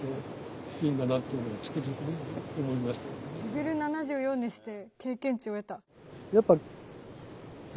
レベル７４にして経験値を得た。